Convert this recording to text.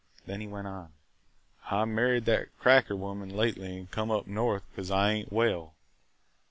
Then he went on, "I married that cracker woman lately an' come up north because I ain't well.